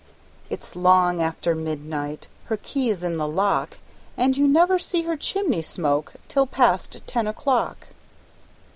It's long after midnight Her key's in the lock, And you never see her chimney smoke Till past ten o'clock!